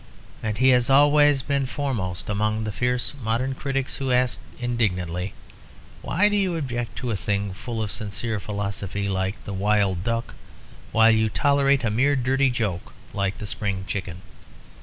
And he has always been foremost among the fierce modern critics who ask indignantly, "Why do you object to a thing full of sincere philosophy like The Wild Duck while you tolerate a mere dirty joke like The Spring Chicken?"